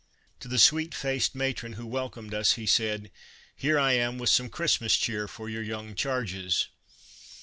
To the sweet faced matron who welcomed us he said :" Here I am with some Christmas cheer for your young charges."